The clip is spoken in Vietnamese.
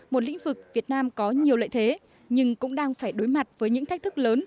một lĩnh vực việt nam có nhiều lợi thế nhưng cũng đang phải đối mặt với những thách thức lớn